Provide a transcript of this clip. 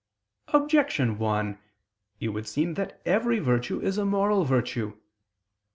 Objection 1: It would seem that every virtue is a moral virtue.